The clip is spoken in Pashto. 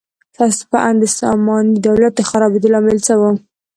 ستاسو په اند د ساماني دولت د خرابېدو لامل څه و؟